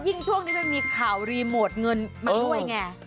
ช่วงนี้มันมีข่าวรีโมทเงินมาด้วยไง